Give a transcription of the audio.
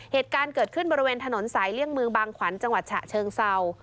เหตุการณ์เกิดขึ้นบริเวณถนนสายเลี่ยงเมืองบางขวัญจังหวัดฉะเชิงเศร้า